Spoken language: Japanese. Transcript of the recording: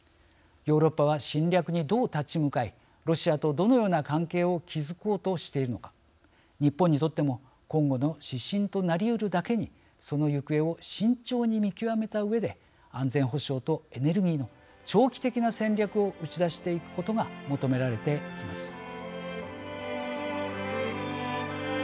ヨーロッパは侵略にどう立ち向かいロシアとどのような関係を築こうとしているのか日本にとっても今後の指針となりうるだけにその行方を慎重に見極めたうえで安全保障とエネルギーの長期的な戦略を打ち出していくことが求められています。